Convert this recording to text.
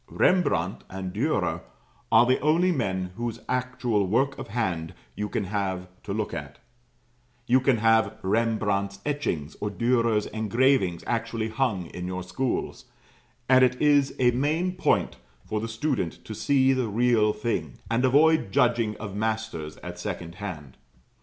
Rembrandt and Dürer are the only men whose actual work of hand you can have to look at; you can have Rembrandt's etchings, or Dürer's engravings actually hung in your schools; and it is a main point for the student to see the real thing, and avoid judging of masters at second hand.